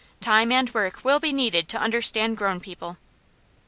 Time and work will be needed to understand grown people.